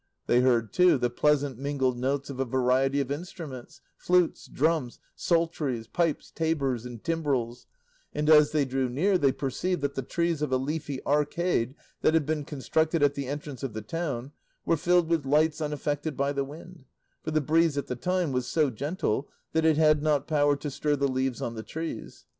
They heard, too, the pleasant mingled notes of a variety of instruments, flutes, drums, psalteries, pipes, tabors, and timbrels, and as they drew near they perceived that the trees of a leafy arcade that had been constructed at the entrance of the town were filled with lights unaffected by the wind, for the breeze at the time was so gentle that it had not power to stir the leaves on the trees.